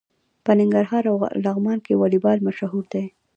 په ننګرهار او لغمان کې والیبال مشهور دی.